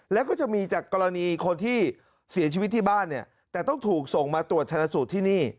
แล้วก็จะมีจากกรณีคนที่เสียชีวิตที่บ้านเนี่ยแต่ต้องถูกส่งมาตรวจชนะสูตรที่นี่